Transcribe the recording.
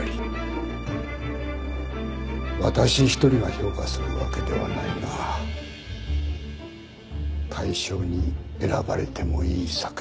私一人が評価するわけではないが大賞に選ばれてもいい作品だ。